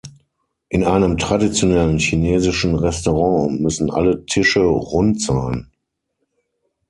In einem traditionellen chinesischen Restaurant müssen alle Tische rund sein.